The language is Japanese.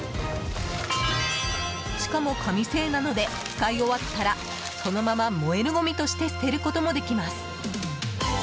しかも、紙製なので使い終わったらそのまま燃えるごみとして捨てることもできます。